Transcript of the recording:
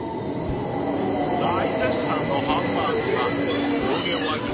［大絶賛のハンバーグは黒毛和牛１００％］